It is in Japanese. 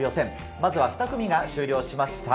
まずは２組が終了しました。